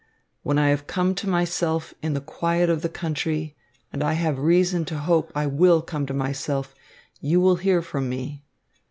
"When I come to myself in the quiet of the country, and I have reason to hope I will come to myself, you will hear from me.